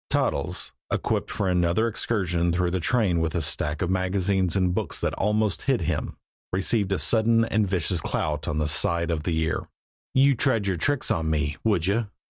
Toddles, equipped for another excursion through the train with a stack of magazines and books that almost hid him, received a sudden and vicious clout on the side of the ear. "You'd try your tricks on me, would you?"